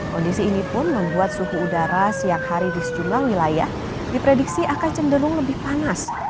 kondisi ini pun membuat suhu udara siang hari di sejumlah wilayah diprediksi akan cenderung lebih panas